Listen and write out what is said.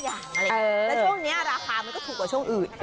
แล้วช่วงนี้ราคามันก็ถูกกว่าช่วงอื่น